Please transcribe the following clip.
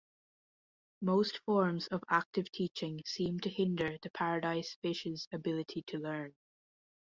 Most forms of active teaching seem to hinder the paradise fish's ability to learn.